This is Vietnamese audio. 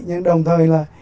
nhưng đồng thời là